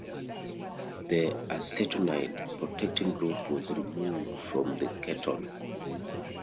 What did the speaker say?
The acetonide protecting group was removed from the ketone.